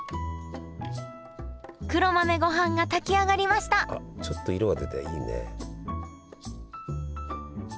黒豆ごはんが炊き上がりましたあっちょっと色が出ていいね。